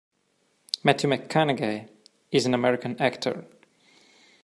Matthew McConaughey is an American actor.